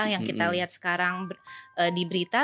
yang kita lihat sekarang di berita